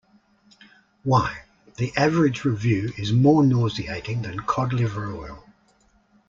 Why, the average review is more nauseating than cod liver oil.